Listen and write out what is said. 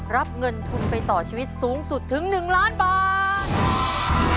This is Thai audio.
รับเงินทุนไปต่อชีวิตสูงสุดถึง๑ล้านบาท